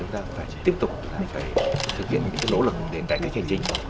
chúng ta phải tiếp tục phải thực hiện những nỗ lực để cải cách hành chính